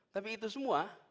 tapi itu semua